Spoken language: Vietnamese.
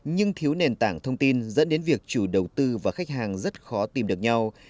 nhưng thiếu nền tảng thông tin dẫn đến việc chủ đầu tư và khách hàng rất khó tìm được nhau